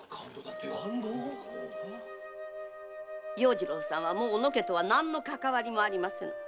勘当⁉要次郎さんはもう小野家とは何のかかわりもありません。